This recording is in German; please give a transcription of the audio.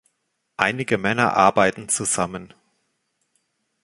Einige Männer arbeiten zusammen.